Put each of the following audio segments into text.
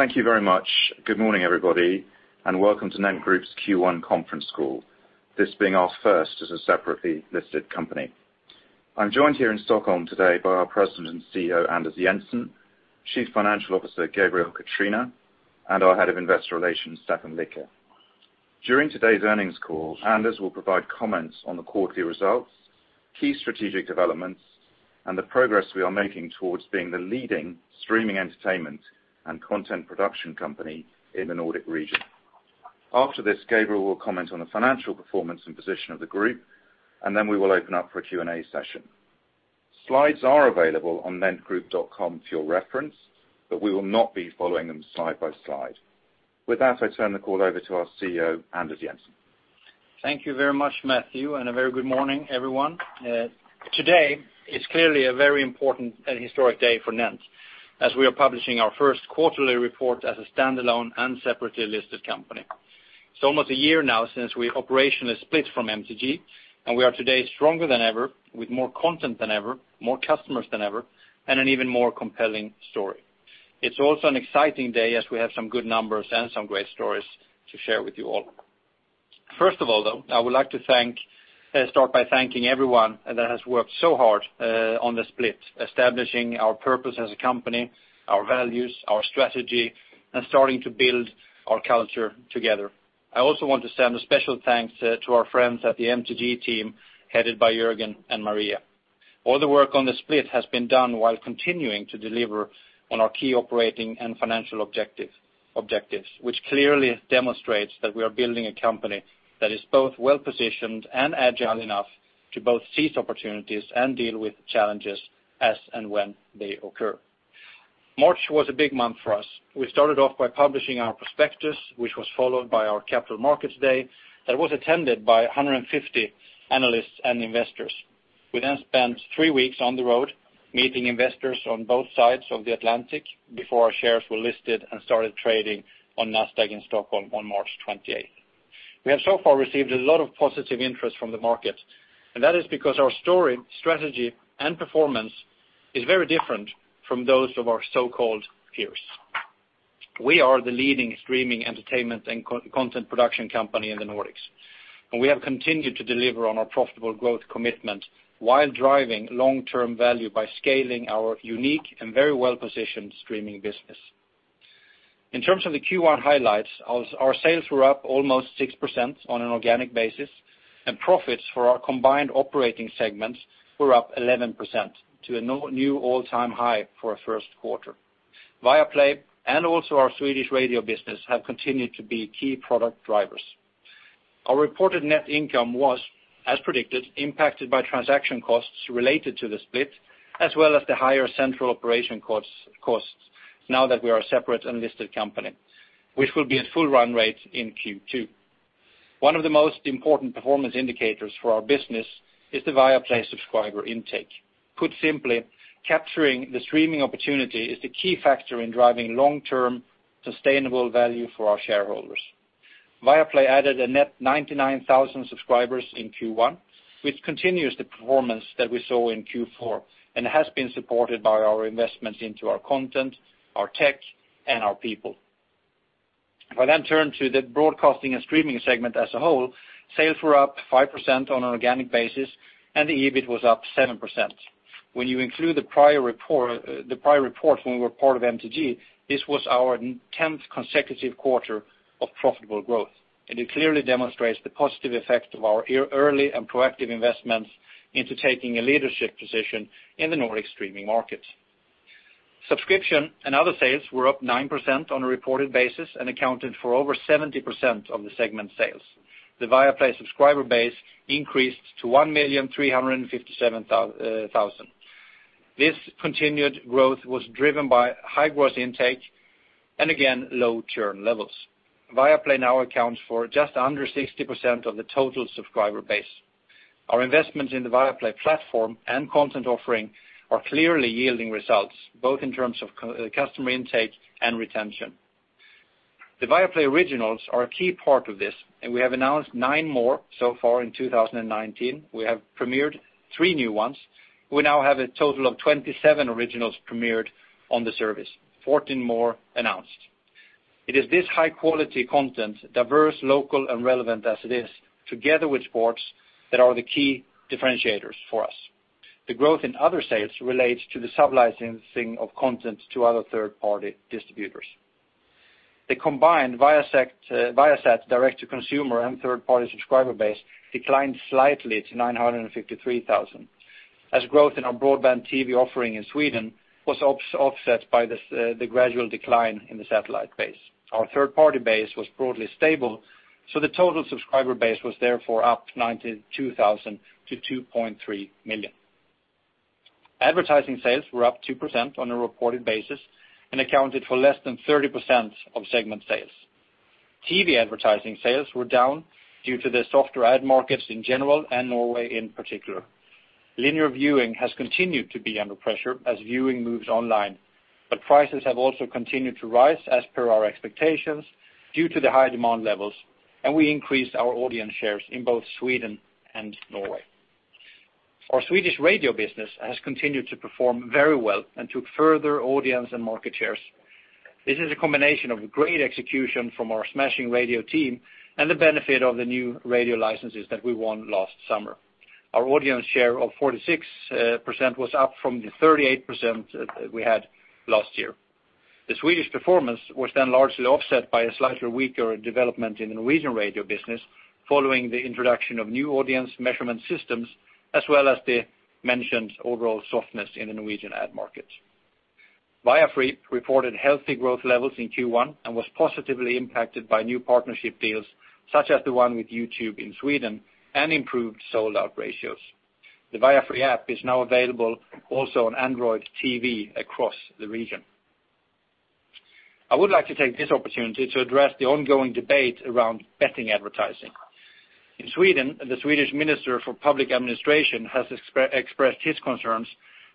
Thank you very much. Good morning, everybody, welcome to NENT Group’s Q1 conference call, this being our first as a separately listed company. I am joined here in Stockholm today by our President and CEO, Anders Jensen, Chief Financial Officer, Gabriel Catrina, our Head of Investor Relations, Stefan Likar. During today’s earnings call, Anders will provide comments on the quarterly results, key strategic developments, the progress we are making towards being the leading streaming entertainment and content production company in the Nordic region. After this, Gabriel will comment on the financial performance and position of the group, then we will open up for a Q&A session. Slides are available on nentgroup.com for your reference, we will not be following them slide by slide. With that, I turn the call over to our CEO, Anders Jensen. Thank you very much, Matthew, a very good morning, everyone. Today is clearly a very important and historic day for NENT, as we are publishing our first quarterly report as a standalone separately listed company. It is almost a year now since we operationally split from MTG, we are today stronger than ever with more content than ever, more customers than ever, an even more compelling story. It is also an exciting day as we have some good numbers and some great stories to share with you all. First of all, I would like to start by thanking everyone that has worked so hard on the split, establishing our purpose as a company, our values, our strategy, starting to build our culture together. I also want to send a special thanks to our friends at the MTG team, headed by Jorgen and Maria. All the work on the split has been done while continuing to deliver on our key operating and financial objectives, which clearly demonstrates that we are building a company that is both well-positioned and agile enough to both seize opportunities and deal with challenges as and when they occur. March was a big month for us. We started off by publishing our prospectus, which was followed by our Capital Markets Day, that was attended by 150 analysts and investors. We spent 3 weeks on the road meeting investors on both sides of the Atlantic before our shares were listed and started trading on Nasdaq in Stockholm on March 28th. We have so far received a lot of positive interest from the market, that is because our story, strategy, and performance is very different from those of our so-called peers. We are the leading streaming entertainment and content production company in the Nordics, we have continued to deliver on our profitable growth commitment while driving long-term value by scaling our unique and very well-positioned streaming business. In terms of the Q1 highlights, our sales were up almost 6% on an organic basis, profits for our combined operating segments were up 11% to a new all-time high for a first quarter. Viaplay and also our Swedish radio business have continued to be key product drivers. Our reported net income was, as predicted, impacted by transaction costs related to the split, as well as the higher central operation costs now that we are a separate and listed company, which will be at full run rate in Q2. One of the most important performance indicators for our business is the Viaplay subscriber intake. Put simply, capturing the streaming opportunity is the key factor in driving long-term, sustainable value for our shareholders. Viaplay added a net 99,000 subscribers in Q1, which continues the performance that we saw in Q4 and has been supported by our investments into our content, our tech, and our people. I then turn to the broadcasting and streaming segment as a whole, sales were up 5% on an organic basis, and the EBIT was up 7%. When you include the prior report when we were part of MTG, this was our 10th consecutive quarter of profitable growth, and it clearly demonstrates the positive effect of our early and proactive investments into taking a leadership position in the Nordic streaming market. Subscription and other sales were up 9% on a reported basis and accounted for over 70% of the segment sales. The Viaplay subscriber base increased to 1,357,000. This continued growth was driven by high gross intake and again, low churn levels. Viaplay now accounts for just under 60% of the total subscriber base. Our investments in the Viaplay platform and content offering are clearly yielding results both in terms of customer intake and retention. The Viaplay originals are a key part of this, and we have announced nine more so far in 2019. We have premiered three new ones. We now have a total of 27 originals premiered on the service, 14 more announced. It is this high-quality content, diverse, local, and relevant as it is, together with sports, that are the key differentiators for us. The growth in other sales relates to the sub-licensing of content to other third-party distributors. The combined Viasat direct-to-consumer and third-party subscriber base declined slightly to 953,000, as growth in our broadband TV offering in Sweden was offset by the gradual decline in the satellite base. Our third-party base was broadly stable. The total subscriber base was therefore up 92,000 to 2.3 million. Advertising sales were up 2% on a reported basis and accounted for less than 30% of segment sales. TV advertising sales were down due to the softer ad markets in general and Norway in particular. Linear viewing has continued to be under pressure as viewing moves online. Prices have also continued to rise as per our expectations due to the high demand levels, and we increased our audience shares in both Sweden and Norway. Our Swedish radio business has continued to perform very well and took further audience and market shares. This is a combination of great execution from our smashing radio team and the benefit of the new radio licenses that we won last summer. Our audience share of 46% was up from the 38% we had last year. The Swedish performance was then largely offset by a slightly weaker development in the Norwegian radio business following the introduction of new audience measurement systems, as well as the mentioned overall softness in the Norwegian ad market. Viafree reported healthy growth levels in Q1 and was positively impacted by new partnership deals, such as the one with YouTube in Sweden and improved sold-out ratios. The Viafree app is now available also on Android TV across the region. I would like to take this opportunity to address the ongoing debate around betting advertising. In Sweden, the Swedish Minister for Public Administration has expressed his concerns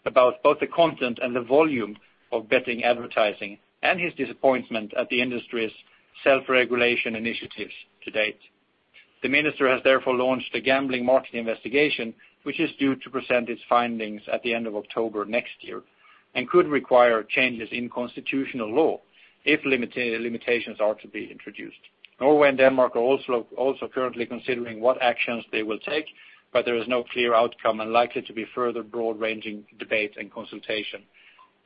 about both the content and the volume of betting advertising, and his disappointment at the industry's self-regulation initiatives to date. The minister has therefore launched a gambling market investigation, which is due to present its findings at the end of October next year and could require changes in constitutional law if limitations are to be introduced. Norway and Denmark are also currently considering what actions they will take, but there is no clear outcome and likely to be further broad-ranging debate and consultation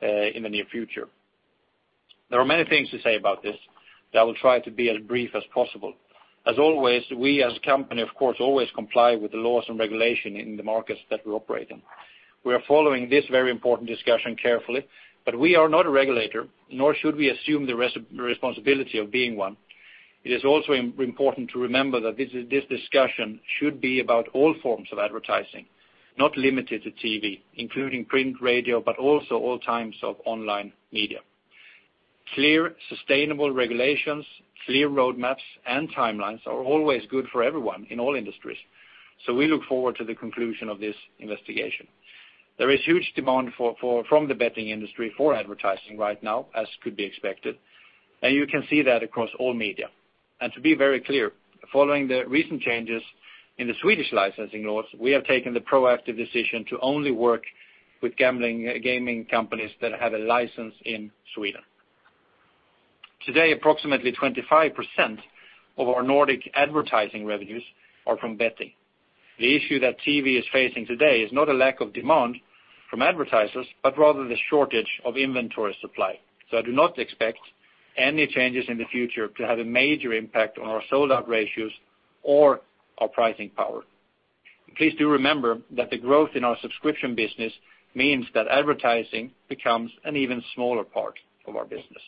in the near future. There are many things to say about this, that I will try to be as brief as possible. As always, we as a company, of course, always comply with the laws and regulation in the markets that we operate in. We are following this very important discussion carefully, but we are not a regulator, nor should we assume the responsibility of being one. It is also important to remember that this discussion should be about all forms of advertising, not limited to TV, including print radio, but also all types of online media. Clear, sustainable regulations, clear roadmaps, and timelines are always good for everyone in all industries. We look forward to the conclusion of this investigation. There is huge demand from the betting industry for advertising right now, as could be expected. You can see that across all media. To be very clear, following the recent changes in the Swedish licensing laws, we have taken the proactive decision to only work with gaming companies that have a license in Sweden. Today, approximately 25% of our Nordic advertising revenues are from betting. The issue that TV is facing today is not a lack of demand from advertisers, but rather the shortage of inventory supply. I do not expect any changes in the future to have a major impact on our sold-out ratios or our pricing power. Please do remember that the growth in our subscription business means that advertising becomes an even smaller part of our business.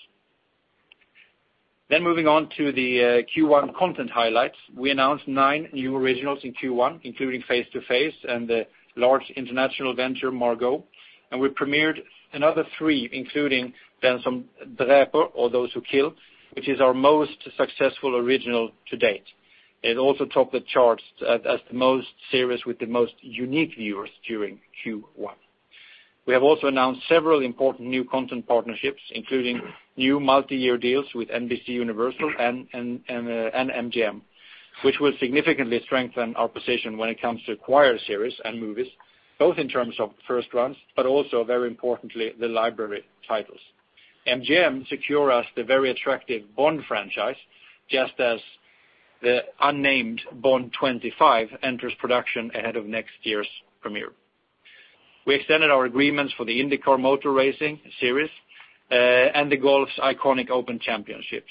Moving on to the Q1 content highlights. We announced nine new originals in Q1, including "Face to Face" and the large international venture, "Margaux." We premiered another three, including "Den Som Dräper" or "Those Who Kill," which is our most successful original to date. It also topped the charts as the most series with the most unique viewers during Q1. We have also announced several important new content partnerships, including new multi-year deals with NBCUniversal and MGM, which will significantly strengthen our position when it comes to acquired series and movies, both in terms of first runs, but also very importantly, the library titles. MGM secure us the very attractive Bond franchise, just as the unnamed Bond 25 enters production ahead of next year's premiere. We extended our agreements for the IndyCar Motor Racing Series and the golf's iconic The Open Championship.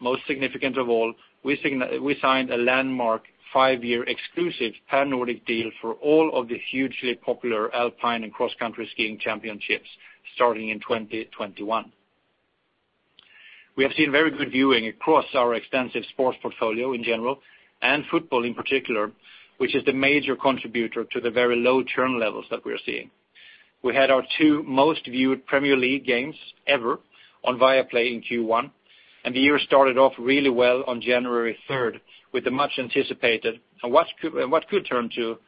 Most significant of all, we signed a landmark five-year exclusive pan-Nordic deal for all of the hugely popular Alpine and cross-country skiing championships starting in 2021. We have seen very good viewing across our extensive sports portfolio in general, and football in particular, which is the major contributor to the very low churn levels that we're seeing. We had our two most viewed Premier League games ever on Viaplay in Q1. The year started off really well on January 3rd with the much-anticipated, and what could turn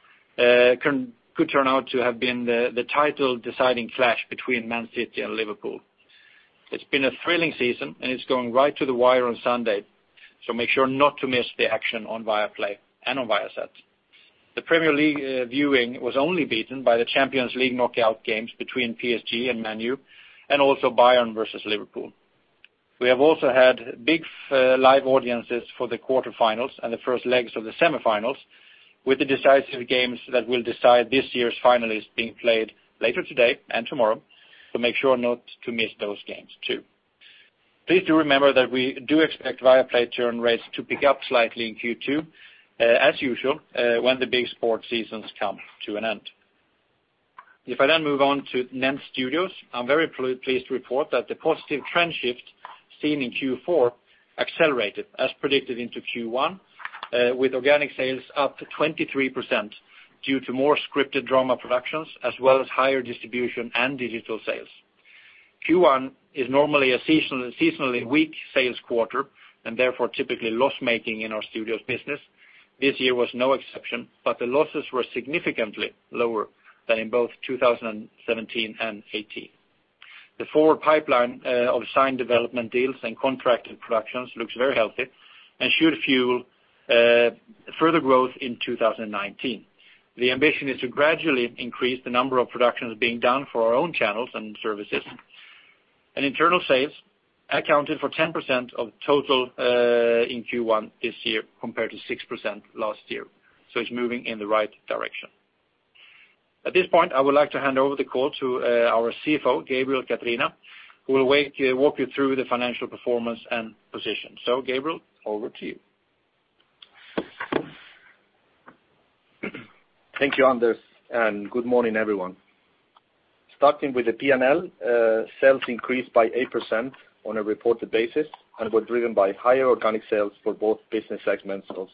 out to have been the title deciding flash between Man City and Liverpool. It's been a thrilling season. It's going right to the wire on Sunday. Make sure not to miss the action on Viaplay and on Viasat. The Premier League viewing was only beaten by the Champions League knockout games between PSG and Man U, and also Bayern versus Liverpool. We have also had big live audiences for the quarter-finals and the first legs of the semifinals with the decisive games that will decide this year's finalist being played later today and tomorrow. Make sure not to miss those games, too. Please do remember that we do expect Viaplay churn rates to pick up slightly in Q2, as usual, when the big sports seasons come to an end. If I then move on to NENT Studios, I'm very pleased to report that the positive trend shift seen in Q4 accelerated as predicted into Q1, with organic sales up 23% due to more scripted drama productions, as well as higher distribution and digital sales. Q1 is normally a seasonally weak sales quarter and therefore typically loss-making in our studios business. This year was no exception, but the losses were significantly lower than in both 2017 and 2018. The forward pipeline of signed development deals and contracted productions looks very healthy and should fuel further growth in 2019. The ambition is to gradually increase the number of productions being done for our own channels and services. Internal sales accounted for 10% of total, in Q1 this year, compared to 6% last year. It's moving in the right direction. At this point, I would like to hand over the call to our CFO, Gabriel Catrina, who will walk you through the financial performance and position. Gabriel, over to you. Thank you, Anders, and good morning, everyone. Starting with the P&L, sales increased by 8% on a reported basis and were driven by higher organic sales for both business segments of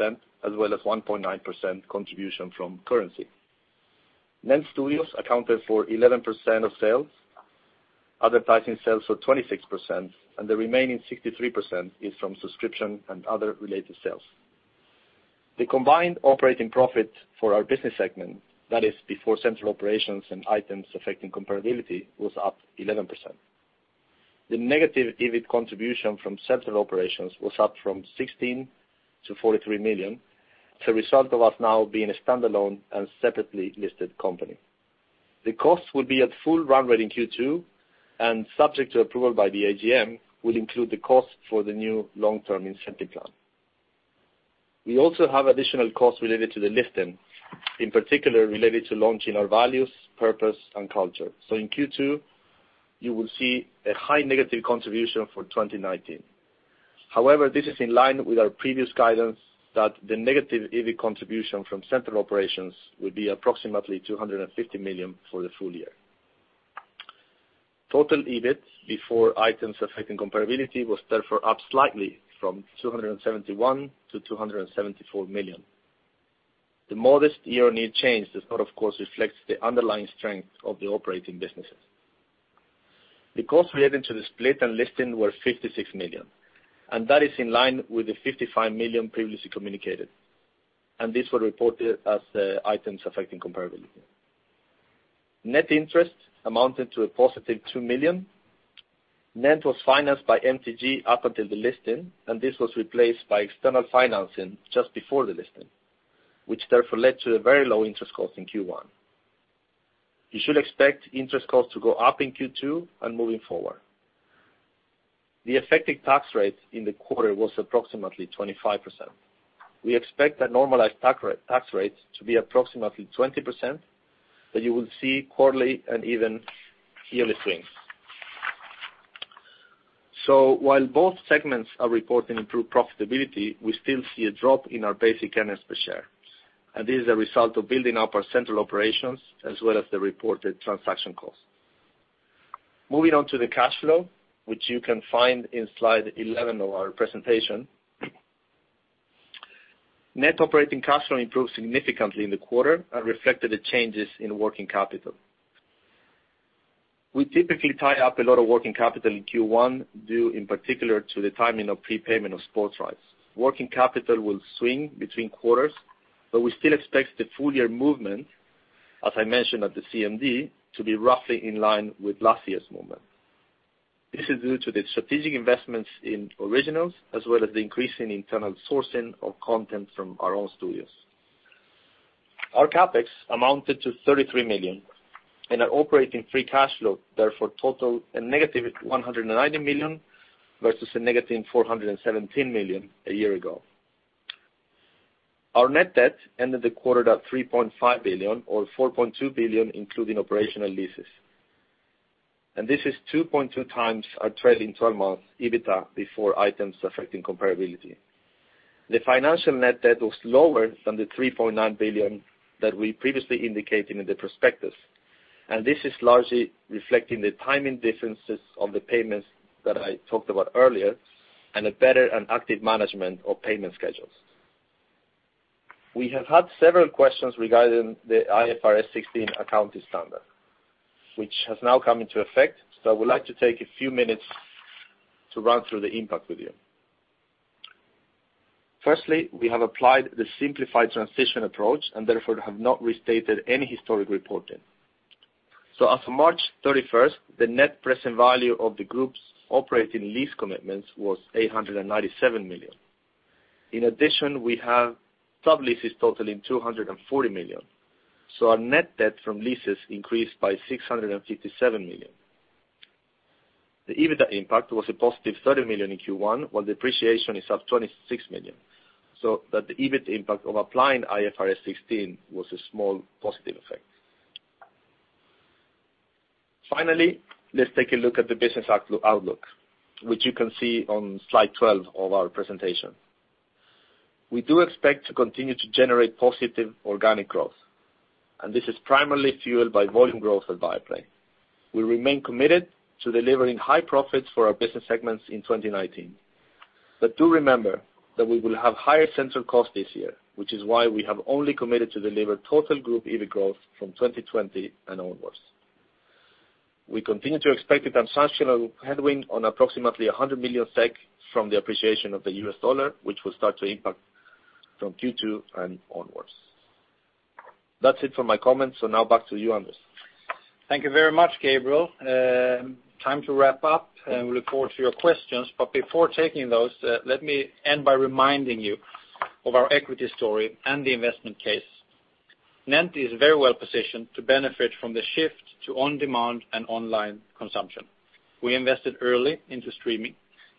6%, as well as 1.9% contribution from currency. NENT Studios accounted for 11% of sales. Advertising sales were 26%, and the remaining 63% is from subscription and other related sales. The combined operating profit for our business segment, that is before central operations and items affecting comparability, was up 11%. The negative EBIT contribution from central operations was up from 16 million to 43 million, as a result of us now being a stand-alone and separately listed company. The cost will be at full run rate in Q2, and subject to approval by the AGM, will include the cost for the new long-term incentive plan. We also have additional costs related to the listing, in particular related to launching our values, purpose, and culture. In Q2, you will see a high negative contribution for 2019. However, this is in line with our previous guidance that the negative EBIT contribution from central operations will be approximately 250 million for the full year. Total EBIT before items affecting comparability was therefore up slightly from 271 million to 274 million. The modest year-on-year change does not, of course, reflect the underlying strength of the operating businesses. The costs related to the split and listing were 56 million, and that is in line with the 55 million previously communicated. These were reported as items affecting comparability. Net interest amounted to a positive 2 million. NENT was financed by MTG up until the listing, this was replaced by external financing just before the listing, which therefore led to very low interest costs in Q1. You should expect interest costs to go up in Q2 and moving forward. The effective tax rate in the quarter was approximately 25%. We expect that normalized tax rate to be approximately 20%, but you will see quarterly and even yearly swings. While both segments are reporting improved profitability, we still see a drop in our basic earnings per share. This is a result of building up our central operations as well as the reported transaction costs. Moving on to the cash flow, which you can find in slide 11 of our presentation. Net operating cash flow improved significantly in the quarter and reflected the changes in working capital. We typically tie up a lot of working capital in Q1, due in particular to the timing of prepayment of sports rights. Working capital will swing between quarters, but we still expect the full-year movement, as I mentioned at the CMD, to be roughly in line with last year's movement. This is due to the strategic investments in originals, as well as the increase in internal sourcing of content from our own studios. Our CapEx amounted to SEK 33 million, and our operating free cash flow therefore totaled a negative SEK 190 million versus a negative SEK 417 million a year ago. Our net debt ended the quarter at SEK 3.5 billion, or SEK 4.2 billion including operational leases. This is 2.2x our trailing 12-month EBITA before items affecting comparability. The financial net debt was lower than the 3.9 billion that we previously indicated in the prospectus, this is largely reflecting the timing differences of the payments that I talked about earlier and a better and active management of payment schedules. We have had several questions regarding the IFRS 16 accounting standard, which has now come into effect, I would like to take a few minutes to run through the impact with you. Firstly, we have applied the simplified transition approach and therefore have not restated any historic reporting. As of March 31st, the net present value of the group's operating lease commitments was 897 million. In addition, we have sub-leases totaling 240 million. Our net debt from leases increased by 657 million. The EBITA impact was a positive 30 million in Q1, while depreciation is up 26 million, so that the EBIT impact of applying IFRS 16 was a small positive effect. Finally, let's take a look at the business outlook, which you can see on slide 12 of our presentation. We do expect to continue to generate positive organic growth, and this is primarily fueled by volume growth at Viaplay. We remain committed to delivering high profits for our business segments in 2019. Do remember that we will have higher central costs this year, which is why we have only committed to deliver total group EBIT growth from 2020 and onwards. We continue to expect a transactional headwind on approximately 100 million SEK from the appreciation of the US dollar, which will start to impact from Q2 and onwards. That's it for my comments. Now back to you, Anders. Thank you very much, Gabriel. Time to wrap up, and we look forward to your questions. Before taking those, let me end by reminding you of our equity story and the investment case. NENT is very well-positioned to benefit from the shift to on-demand and online consumption. We invested early into streaming.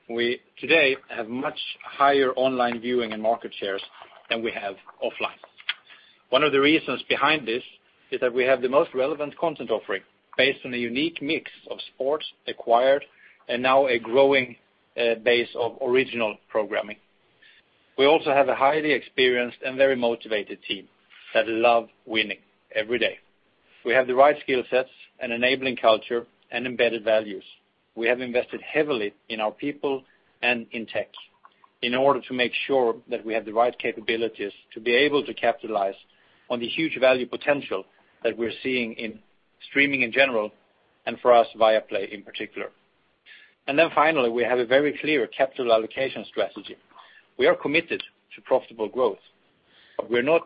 We today have much higher online viewing and market shares than we have offline. One of the reasons behind this is that we have the most relevant content offering based on a unique mix of sports acquired, and now a growing base of original programming. We also have a highly experienced and very motivated team that love winning every day. We have the right skill sets and enabling culture and embedded values. We have invested heavily in our people and in tech in order to make sure that we have the right capabilities to be able to capitalize on the huge value potential that we're seeing in streaming in general, and for us, Viaplay in particular. Finally, we have a very clear capital allocation strategy. We are committed to profitable growth, but we're not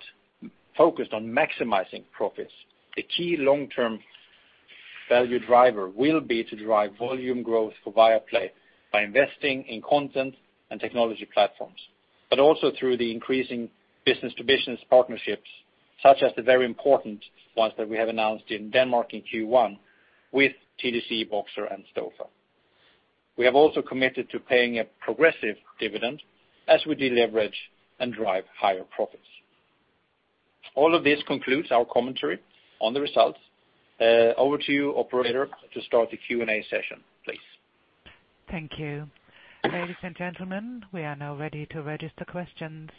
focused on maximizing profits. The key long-term value driver will be to drive volume growth for Viaplay by investing in content and technology platforms, but also through the increasing business-to-business partnerships, such as the very important ones that we have announced in Denmark in Q1 with TDC, Boxer and Stofa. We have also committed to paying a progressive dividend as we deleverage and drive higher profits. All of this concludes our commentary on the results. Over to you, operator, to start the Q&A session, please. Thank you. Ladies and gentlemen, we are now ready to register questions.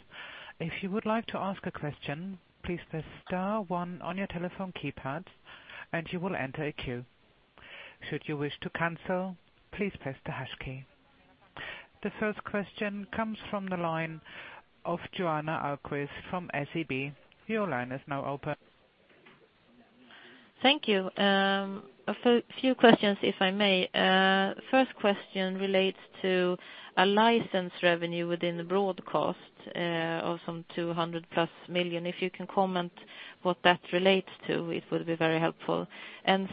If you would like to ask a question, please press star one on your telephone keypad and you will enter a queue. Should you wish to cancel, please press the hash key. The first question comes from the line of Johanna Ahlqvist from SEB. Your line is now open. Thank you. A few questions, if I may. First question relates to a license revenue within the broadcast of some 200-plus million. If you can comment what that relates to, it would be very helpful.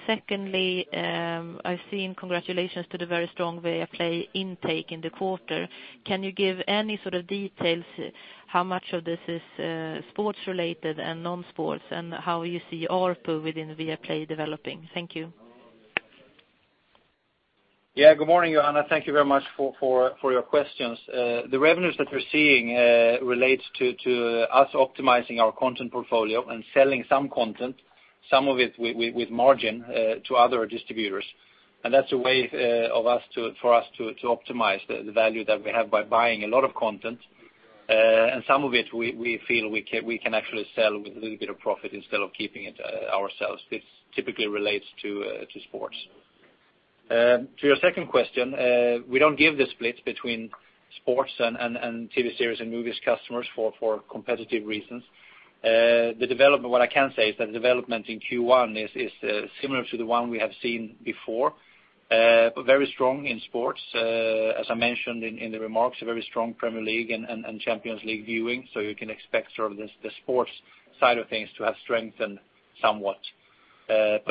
Secondly, I've seen congratulations to the very strong Viaplay intake in the quarter. Can you give any sort of details how much of this is sports-related and non-sports, and how you see ARPU within Viaplay developing? Thank you. Yeah. Good morning, Johanna. Thank you very much for your questions. The revenues that we're seeing relates to us optimizing our content portfolio and selling some content, some of it with margin, to other distributors. That's a way for us to optimize the value that we have by buying a lot of content. Some of it we feel we can actually sell with a little bit of profit instead of keeping it ourselves. This typically relates to sports. To your second question, we don't give the splits between sports and TV series and movies customers for competitive reasons. What I can say is that the development in Q1 is similar to the one we have seen before. Very strong in sports. As I mentioned in the remarks, very strong Premier League and Champions League viewing. You can expect the sports side of things to have strengthened somewhat.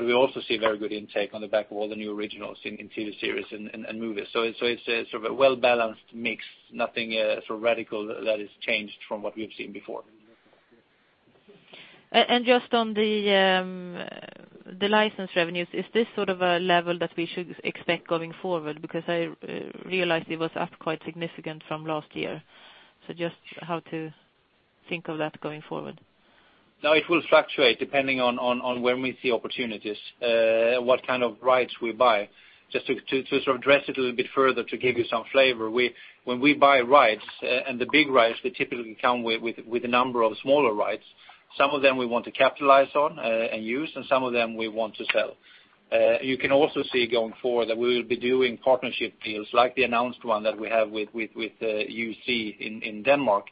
We also see very good intake on the back of all the new originals in TV series and movies. It's a well-balanced mix. Nothing radical that has changed from what we've seen before. Just on the license revenues, is this sort of a level that we should expect going forward? I realized it was up quite significant from last year. Just how to think of that going forward. No, it will fluctuate depending on when we see opportunities, what kind of rights we buy. Just to address it a little bit further, to give you some flavor, when we buy rights and the big rights, they typically come with a number of smaller rights. Some of them we want to capitalize on and use, and some of them we want to sell. You can also see going forward that we will be doing partnership deals like the announced one that we have with YouSee in Denmark,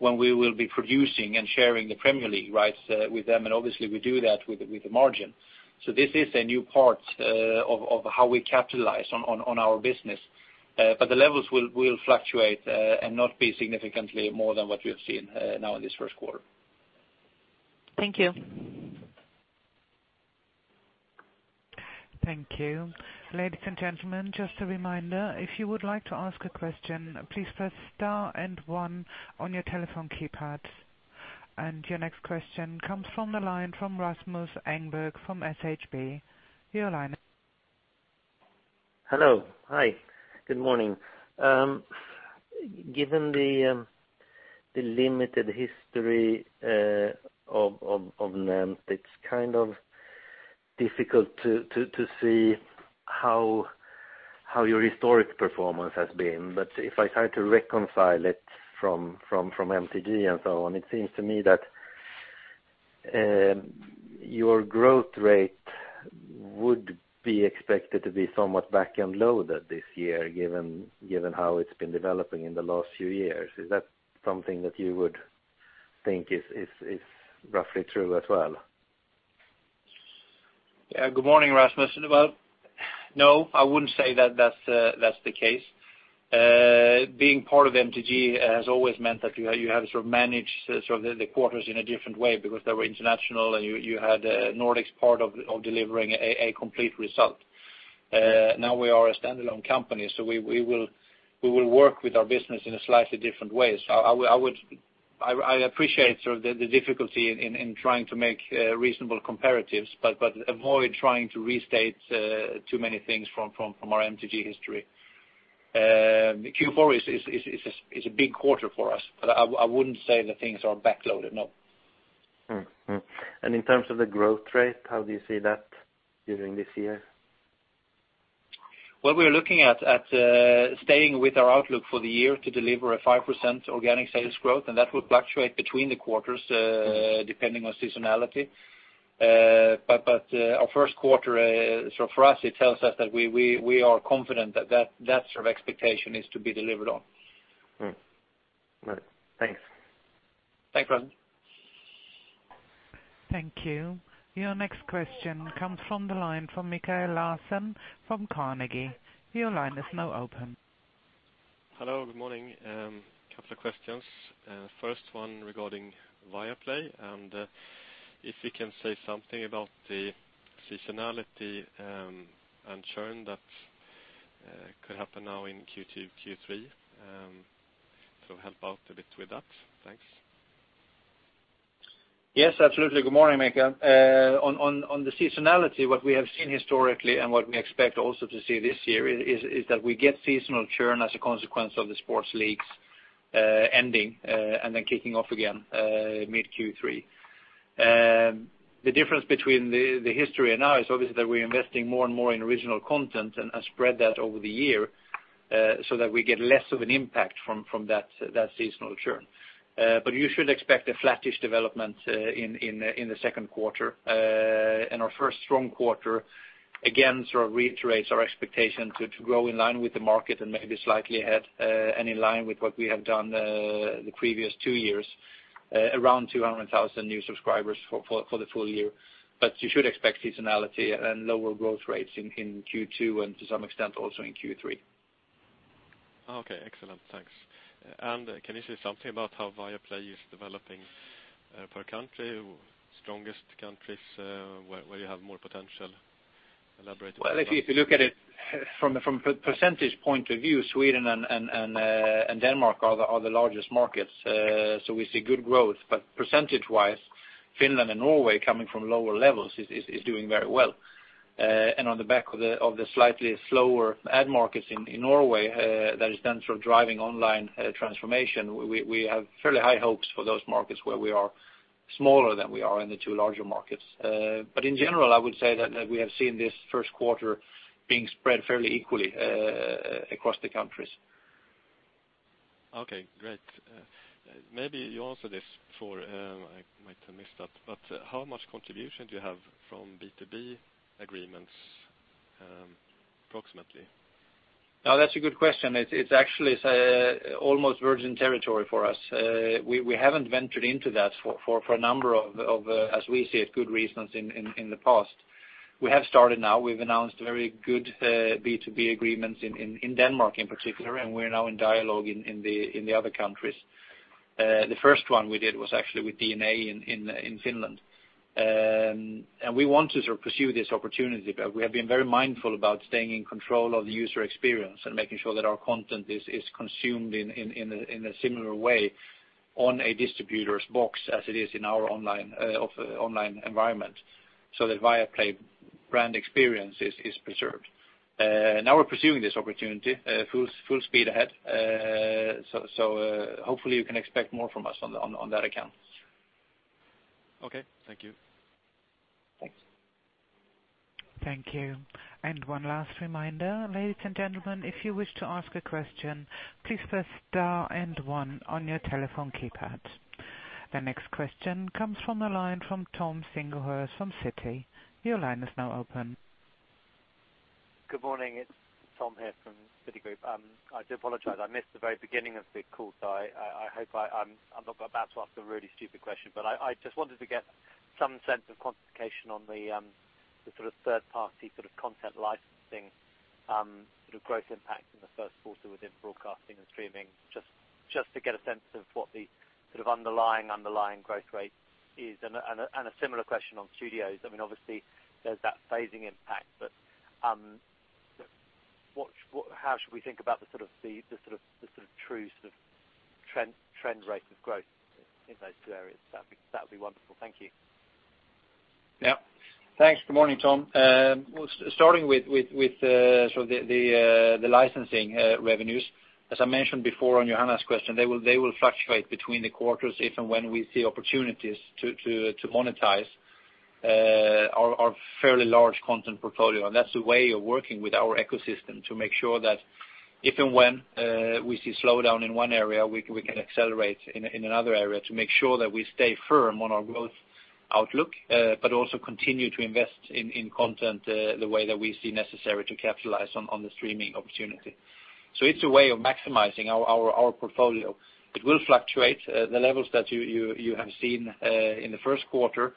when we will be producing and sharing the Premier League rights with them. Obviously we do that with a margin. This is a new part of how we capitalize on our business. The levels will fluctuate and not be significantly more than what we have seen now in this first quarter. Thank you. Thank you. Ladies and gentlemen, just a reminder. If you would like to ask a question, please press star and one on your telephone keypad. Your next question comes from the line from Rasmus Engberg from Handelsbanken. Your line is- Hello. Hi. Good morning. Given the limited history of NENT, it is kind of difficult to see how your historic performance has been, but if I try to reconcile it from MTG and so on, it seems to me that your growth rate would be expected to be somewhat back-end-loaded this year, given how it has been developing in the last few years. Is that something that you would think is roughly true as well? Good morning, Rasmus. No, I wouldn't say that is the case. Being part of MTG has always meant that you have to manage the quarters in a different way because they were international, and you had Nordics part of delivering a complete result. We are a standalone company, we will work with our business in a slightly different way. I appreciate the difficulty in trying to make reasonable comparatives, but avoid trying to restate too many things from our MTG history. Q4 is a big quarter for us, but I wouldn't say that things are back-loaded, no. In terms of the growth rate, how do you see that during this year? What we are looking at staying with our outlook for the year to deliver a 5% organic sales growth, that will fluctuate between the quarters, depending on seasonality. Our first quarter, for us, it tells us that we are confident that that sort of expectation is to be delivered on. Right. Thanks. Thanks, Rasmus. Thank you. Your next question comes from the line from Mikael Laséen from Carnegie. Your line is now open. Hello, good morning. Couple of questions. First one regarding Viaplay, and if you can say something about the seasonality, and churn that could happen now in Q2, Q3, help out a bit with that. Thanks. Yes, absolutely. Good morning, Mikael. On the seasonality, what we have seen historically and what we expect also to see this year is that we get seasonal churn as a consequence of the sports leagues ending, and then kicking off again mid Q3. The difference between the history and now is obviously that we're investing more and more in original content and spread that over the year, so that we get less of an impact from that seasonal churn. You should expect a flattish development in the second quarter. Our first strong quarter, again, sort of reiterates our expectation to grow in line with the market and maybe slightly ahead, and in line with what we have done the previous two years, around 200,000 new subscribers for the full year. You should expect seasonality and lower growth rates in Q2 and to some extent, also in Q3. Okay. Excellent. Thanks. Can you say something about how Viaplay is developing per country? Strongest countries, where you have more potential elaborated by that. Well, if you look at it from a percentage point of view, Sweden and Denmark are the largest markets. We see good growth, but percentage-wise, Finland and Norway, coming from lower levels, is doing very well. On the back of the slightly slower ad markets in Norway, that is then driving online transformation. We have fairly high hopes for those markets where we are smaller than we are in the two larger markets. In general, I would say that we have seen this first quarter being spread fairly equally across the countries. Okay, great. Maybe you answered this before, I might have missed that, but how much contribution do you have from B2B agreements, approximately? That's a good question. It's actually almost virgin territory for us. We haven't ventured into that for a number of, as we see it, good reasons in the past. We have started now. We've announced very good B2B agreements in Denmark in particular, and we're now in dialogue in the other countries. The first one we did was actually with DNA in Finland. We want to pursue this opportunity, but we have been very mindful about staying in control of the user experience and making sure that our content is consumed in a similar way on a distributor's box as it is in our online environment, so that Viaplay brand experience is preserved. Now we're pursuing this opportunity, full speed ahead. Hopefully you can expect more from us on that account. Okay. Thank you. Thanks. Thank you. One last reminder, ladies and gentlemen, if you wish to ask a question, please press star and one on your telephone keypad. The next question comes from the line from Thomas Singlehurst from Citi. Your line is now open. Good morning. It's Tom here from Citigroup. I do apologize, I missed the very beginning of the call. I hope I'm not about to ask a really stupid question. I just wanted to get some sense of quantification on the sort of third-party sort of content licensing, sort of growth impact in the first quarter within broadcasting and streaming, just to get a sense of what the sort of underlying growth rate is. A similar question on studios. Obviously, there's that phasing impact, how should we think about the sort of true trend rate of growth in those two areas? That would be wonderful. Thank you. Yeah. Thanks. Good morning, Tom. Well, starting with the licensing revenues, as I mentioned before on Johanna's question, they will fluctuate between the quarters if and when we see opportunities to monetize our fairly large content portfolio. That's the way of working with our ecosystem to make sure that if and when we see slowdown in one area, we can accelerate in another area to make sure that we stay firm on our growth outlook, but also continue to invest in content the way that we see necessary to capitalize on the streaming opportunity. So it's a way of maximizing our portfolio. It will fluctuate. The levels that you have seen in the first quarter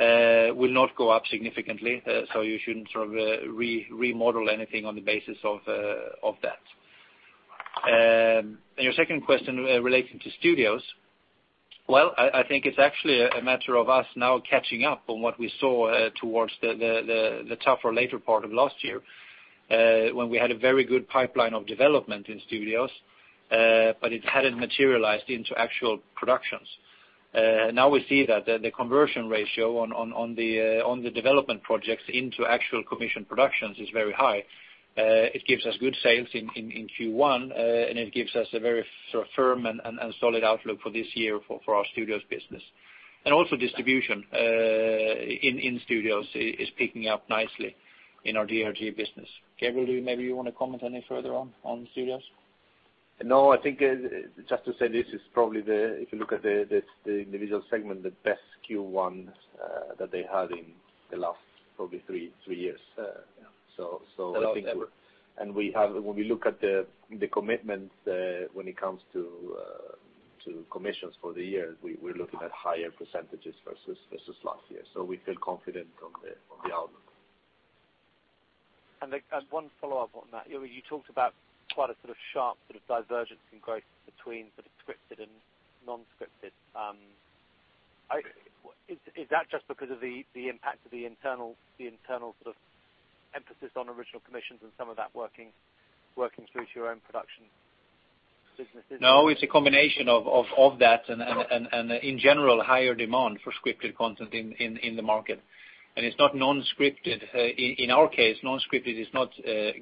will not go up significantly, so you shouldn't remodel anything on the basis of that. Your second question relating to studios. I think it's actually a matter of us now catching up on what we saw towards the tougher later part of last year, when we had a very good pipeline of development in studios, but it hadn't materialized into actual productions. Now we see that the conversion ratio on the development projects into actual commission productions is very high. It gives us good sales in Q1, and it gives us a very firm and solid outlook for this year for our studios business. Also distribution in studios is picking up nicely in our DRG business. Gabriel, do maybe you want to comment any further on studios? I think just to say this is probably the, if you look at the individual segment, the best Q1 that they had in the last probably three years. Yeah. When we look at the commitments when it comes to commissions for the year, we're looking at higher percentages versus last year. We feel confident on the outlook. One follow-up on that. You talked about quite a sort of sharp divergence in growth between sort of scripted and non-scripted. Is that just because of the impact of the internal sort of emphasis on original commissions and some of that working through to your own production businesses? No, it's a combination of that and in general, higher demand for scripted content in the market. It's not non-scripted. In our case, non-scripted is not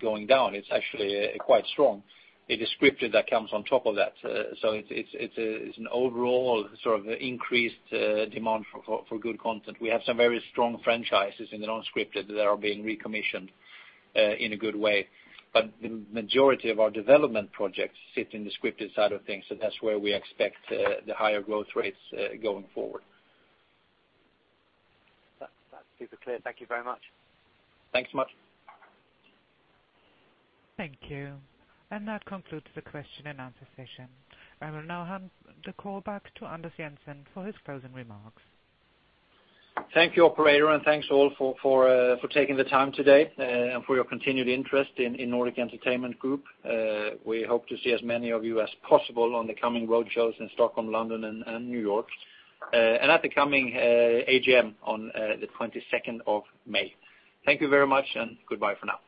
going down. It's actually quite strong. It is scripted that comes on top of that. It's an overall sort of increased demand for good content. We have some very strong franchises in the non-scripted that are being recommissioned in a good way. The majority of our development projects sit in the scripted side of things, that's where we expect the higher growth rates going forward. That's super clear. Thank you very much. Thanks so much. Thank you. That concludes the question and answer session. I will now hand the call back to Anders Jensen for his closing remarks. Thank you, operator, and thanks all for taking the time today and for your continued interest in Nordic Entertainment Group. We hope to see as many of you as possible on the coming road shows in Stockholm, London, and New York, and at the coming AGM on the 22nd of May. Thank you very much. Goodbye for now.